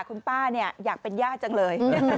คุณป้าเนี่ยอยากเป็นย่าจังเลย